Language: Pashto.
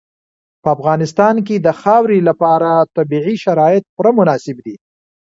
په افغانستان کې د خاورې لپاره طبیعي شرایط پوره مناسب دي.